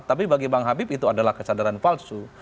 tapi bagi bang habib itu adalah kesadaran palsu